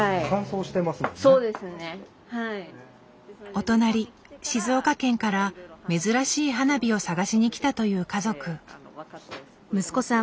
お隣静岡県から珍しい花火を探しにきたという家族。